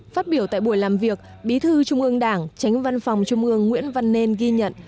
phát biểu tại buổi làm việc bí thư trung ương đảng tránh văn phòng trung ương nguyễn văn nên ghi nhận